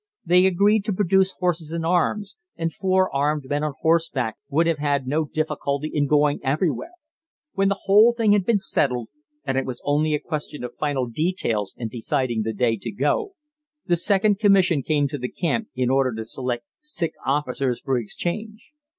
They agreed to produce horses and arms; and four armed men on horseback would have had no difficulty in going anywhere. When the whole thing had been settled and it was only a question of final details and deciding the day to go, the second commission came to the camp in order to select sick officers for exchange.